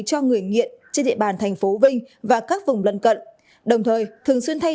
cho người nghiện trên địa bàn thành phố vinh và các vùng lân cận đồng thời thường xuyên thay